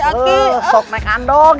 aku mau ke gandong